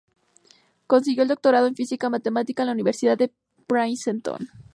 Consiguió el doctorado en Física Matemática en la Universidad de Princeton.